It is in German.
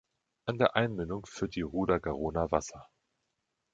An der Einmündung führt die Ruda-Garona Wasser.